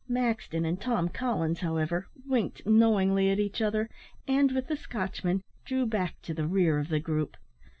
Maxton and Tom Collins, however, winked knowingly at each other, and, with the Scotchman, drew back to the rear of the group.